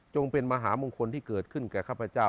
เป็นมหามงคลที่เกิดขึ้นแก่ข้าพเจ้า